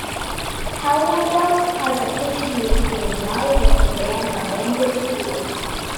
Howerdel has occasionally played live with the band Abandoned Pools.